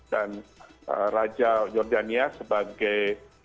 dan raja yordania sebagai